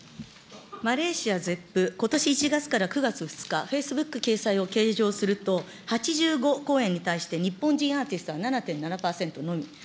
マレーシアゼップことし１月から９月２日、フェイスブック掲載を計上すると８５公演に対して日本人アーティストは７．７％のみ。